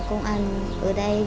công an ở đây